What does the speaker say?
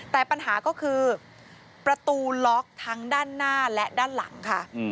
แต่ปัญหาก็คือประตูล็อกทั้งด้านหน้าและด้านหลังค่ะ